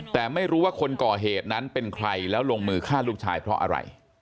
แต่ไม่รู้ว่าคนก่อเหตุนั้นเป็นใครแล้วลงมือฆ่าลูกชายเพราะอะไร